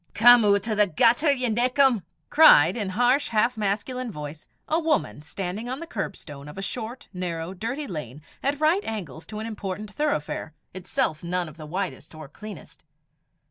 "Come oot o' the gutter, ye nickum!" cried, in harsh, half masculine voice, a woman standing on the curbstone of a short, narrow, dirty lane, at right angles to an important thoroughfare, itself none of the widest or cleanest.